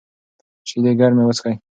شیدې ګرمې وڅښئ.